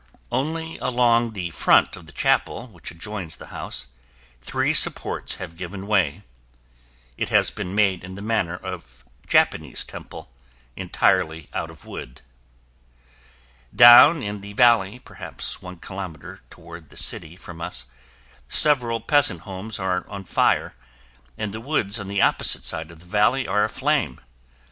Only along the front of the chapel which adjoins the house, three supports have given way (it has been made in the manner of Japanese temple, entirely out of wood.) Down in the valley, perhaps one kilometer toward the city from us, several peasant homes are on fire and the woods on the opposite side of the valley are aflame.